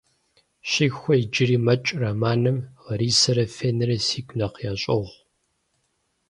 «Щихуэхэр иджыри мэкӏ» романым, Ларисэрэ, Фенэрэ сигу нэхъ ящӏогъу.